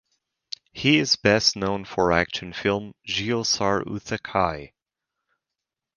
He is best known for action film Geo Sar Utha Kay.